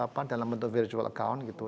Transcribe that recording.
apa dalam bentuk virtual account gitu